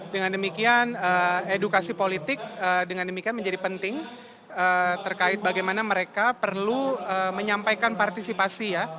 dengan demikian edukasi politik dengan demikian menjadi penting terkait bagaimana mereka perlu menyampaikan partisipasi ya